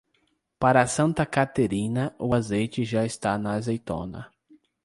Para Santa Caterina, o azeite já está na azeitona.